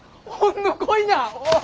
ほんのこいな！